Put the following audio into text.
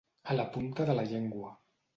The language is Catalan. A la punta de la llengua.